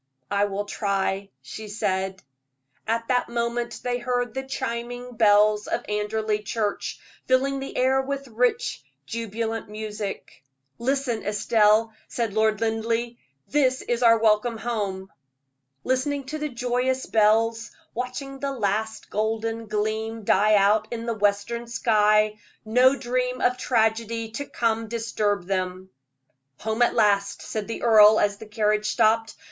"I will try," she said. At that moment they heard the chiming bells of Anderley Church, filling the air with rich, jubilant music. "Listen, Estelle," said Lord Linleigh; "that is our welcome home." Listening to the joyous bells, watching the last golden gleam die out in the western sky, no dream of tragedy to come disturbed them. "Home at last," said the earl, as the carriage stopped.